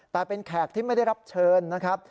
แต่เป็นแขกที่ไม่ได้รับเชิญนะครับ